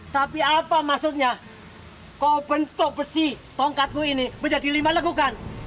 tapi apa maksudnya kau bentuk besi tongkatku ini menjadi lima lekukan